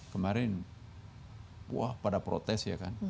kemarin wah pada protes ya kan